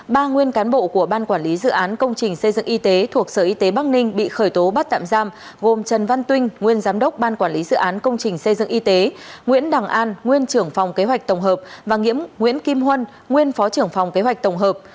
ba nguyên cán bộ của ban quản lý dự án công trình xây dựng y tế thuộc sở y tế bắc ninh bị khởi tố bắt tạm giam gồm trần văn tuyên nguyên giám đốc ban quản lý dự án công trình xây dựng y tế nguyễn đằng an nguyên trưởng phòng kế hoạch tổng hợp và nguyễn kim huân nguyên phó trưởng phòng kế hoạch tổng hợp